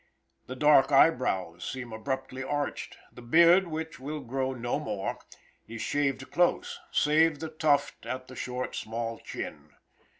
The dark eyebrows seem abruptly arched; the beard, which will grow no more, is shaved close, save the tuft at the short small chin.